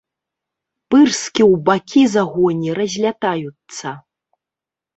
Пырскі ў бакі за гоні разлятаюцца.